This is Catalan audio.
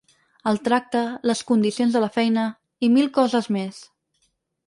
El tracte, les condicions de la feina… i mil coses més.